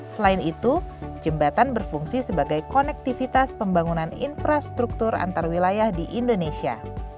selain itu jembatan berfungsi sebagai konektivitas pembangunan infrastruktur antarwilayah di indonesia